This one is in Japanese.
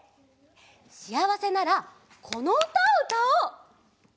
しあわせならこのうたをうたおう。